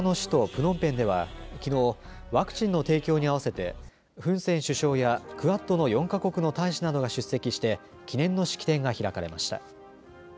プノンペンではきのうワクチンの提供に合わせてフン・セン首相やクアッドの４か国の大使などが出席して記念の式典が開かれました。